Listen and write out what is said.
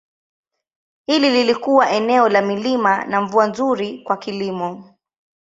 Hili lilikuwa eneo la milima na mvua nzuri kwa kilimo.